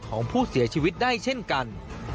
ของผู้เสียชีวิตได้เช่นกัน